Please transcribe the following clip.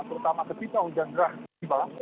terutama ketika hujan deras di bawah